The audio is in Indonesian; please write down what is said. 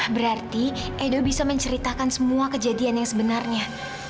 berarti edo bisa menceritakan semua kejadian yang sebenarnya